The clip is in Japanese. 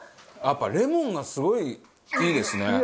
やっぱレモンがすごいいいですね。